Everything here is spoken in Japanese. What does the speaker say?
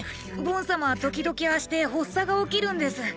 ボン様は時々ああして発作が起きるんです。